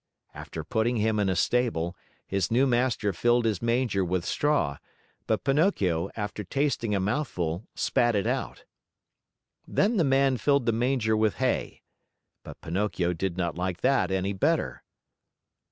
After putting him in a stable, his new master filled his manger with straw, but Pinocchio, after tasting a mouthful, spat it out. Then the man filled the manger with hay. But Pinocchio did not like that any better.